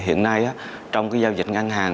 hiện nay trong cái giao dịch ngân hàng